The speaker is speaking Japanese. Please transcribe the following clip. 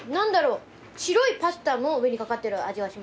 白いパスタの上にかかってる味がします。